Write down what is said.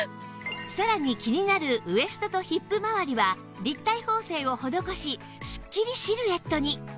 さらに気になるウエストとヒップ回りは立体縫製を施しすっきりシルエットに